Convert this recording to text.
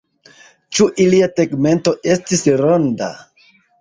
Ĉu ilia tegmento estis ronda?